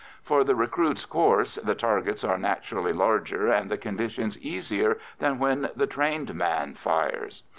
For the recruits' course, the targets are naturally larger and the conditions easier than when the trained man fires.